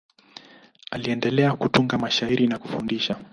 Aliendelea kutunga mashairi na kufundisha.